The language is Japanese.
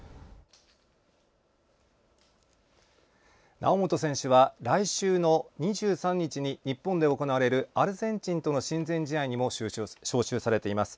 猶本選手は来週の２３日に日本で行われるアルゼンチンとの親善試合にも招集されています。